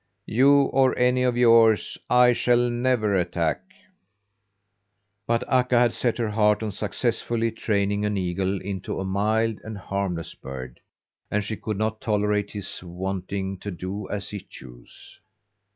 You or any of yours I shall never attack." But Akka had set her heart on successfully training an eagle into a mild and harmless bird, and she could not tolerate his wanting to do as he chose.